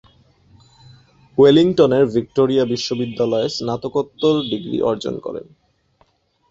ওয়েলিংটনের Victoria বিশ্ববিদ্যালয়ে স্নাতকোত্তর degree অর্জন করেন।